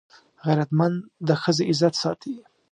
غیرتمند د ښځې عزت ساتي